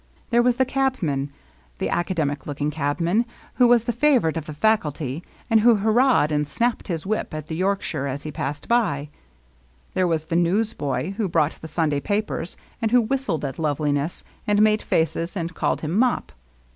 There was the cabman, the academic looking cabman, who was the favorite of the faculty, and who hurrahed and snapped his whip at the Yorkshire as he passed by ; there was the newsboy who brought the Sunday papers, and who whistled at Loveliness, and made faces, and called him Mop.